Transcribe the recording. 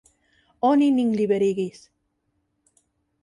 Oni nin liberigis.